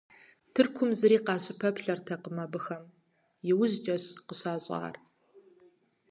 Тыркум зыри къащыпэплъэртэкъым абыхэм – иужькӏэщ къыщащӏар.